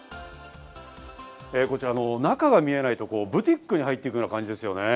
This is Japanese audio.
こちらの中が見えないところ、ブティックに入っていくような感じですね。